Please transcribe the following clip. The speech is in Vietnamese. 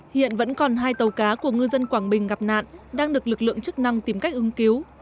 hiện vẫn còn hai tàu cá của ngư dân quảng bình gặp nạn đang được lực lượng chức năng tìm cách ứng cứu